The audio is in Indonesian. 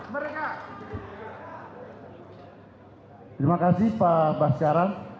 terima kasih pak basyaran